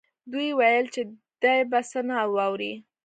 دوی ویل چې دی به څه نه واوري